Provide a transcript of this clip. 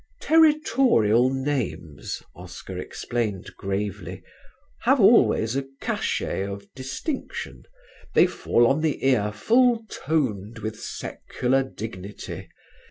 "Territorial names," Oscar explained, gravely, "have always a cachet of distinction: they fall on the ear full toned with secular dignity.